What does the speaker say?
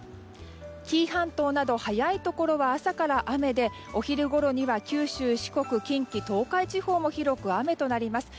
紀伊半島など早いところは朝から雨でお昼ごろには九州・四国近畿・東海地方も広く雨となります。